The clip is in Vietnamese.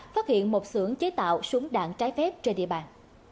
phát hiện một xưởng chế tạo súng đạn trái phép trên địa bàn